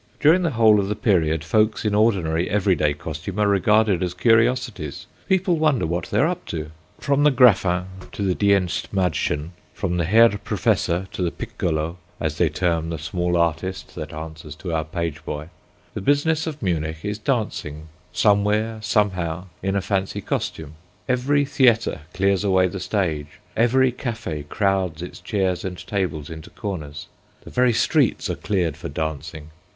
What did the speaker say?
During the whole of the period, folks in ordinary, every day costume are regarded as curiosities; people wonder what they are up to. From the Grafin to the Dienstmädchen, from the Herr Professor to the "Piccolo," as they term the small artist that answers to our page boy, the business of Munich is dancing, somewhere, somehow, in a fancy costume. Every theatre clears away the stage, every café crowds its chairs and tables into corners, the very streets are cleared for dancing.